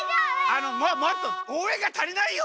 あのもっとおうえんがたりないよ！